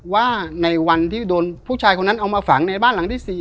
ว่าในวันที่โดนผู้ชายคนนั้นเอามาฝังในบ้านหลังที่๔